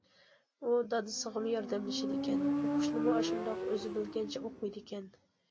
ئۇ دادىسىغىمۇ ياردەملىشىدىكەن، ئوقۇشنىمۇ ئاشۇنداق ئۆزى بىلگەنچە ئوقۇيدىكەن.